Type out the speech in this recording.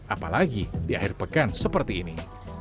apalagi di akhir pekan seperti ini